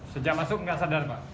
sejak masuk nggak sadar pak